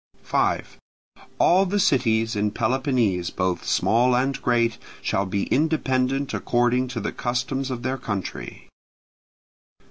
5. All the cities in Peloponnese, both small and great, shall be independent according to the customs of their country.